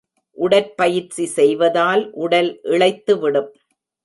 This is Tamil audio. உடற்பயிற்சி செய்வதால், உடல் இளைத்துவிடும்.